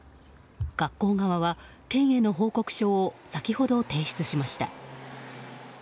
学校側は県への報告書を先ほど提出しました。